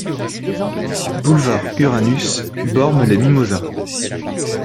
Boulevard Uranus, Bormes-les-Mimosas